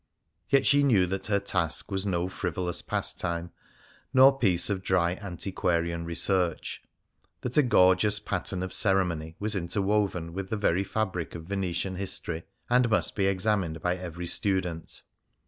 Yet she knew that her task was no frivolous pastime nor piece of dry antiquarian research ; that a gorgeous pattern of ceremony was interwoven with the very fabric of Venetian history, and must be examined by every student.